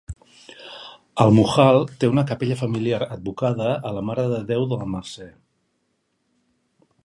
El Mujal té una capella familiar advocada a la Mare de Déu de la Mercè.